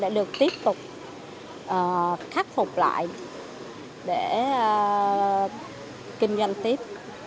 để được tiếp tục khắc phục lại để kinh doanh tiếp